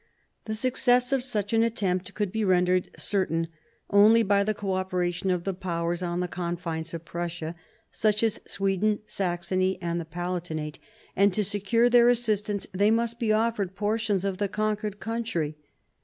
The success of such an attempt could be rendered certain only by the co operation of the Powers on the confines of Prussia, such as Sweden, Saxony, and the Palatinate ; and to secure their assistance they must be offered portions of the conquered country.